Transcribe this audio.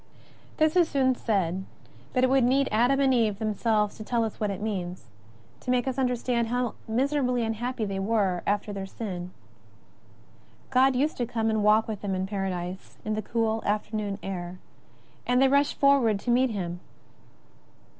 This is soon said, but it would need Adam and Eve themselves to tell us what it means, to make us under stand how miserably imhappy they were after their sin. God used to come and walk with them in Para dise in the cool afternoon air, and they rushed forward to meet Him.